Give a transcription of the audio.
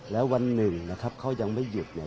แล้ววันหนึ่งนะครับเขายังไม่หยุดเนี่ย